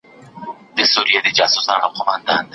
په لاس لیکل د معلوماتو د تحلیل توان زیاتوي.